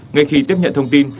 ngay khi tiếp nhận thông tin